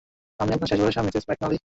আমিই আপনার শেষ ভরসা, মিসেস ম্যাকনালি।